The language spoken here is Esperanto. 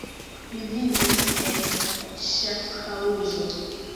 Li vivis en Ŝafhaŭzo.